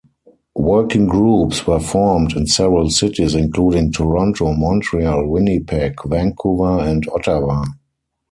Working groups were formed in several cities, including Toronto, Montreal, Winnipeg, Vancouver and Ottawa.